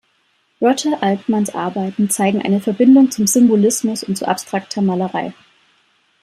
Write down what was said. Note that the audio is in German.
Rogers-Altmanns Arbeiten zeigen eine Verbindung zum Symbolismus und zu abstrakter Malerei.